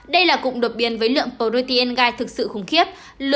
đây là cục đột biến với lượng protein gai thực sự khủng khiếp